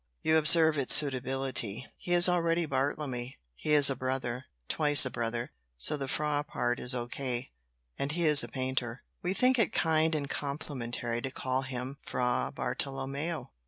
You observe its suitability; he is already Bartlemy; he is a brother twice a brother so the fra part is o. k., and he is a painter. We think it kind and complimentary to call him Fra Bartolomeo."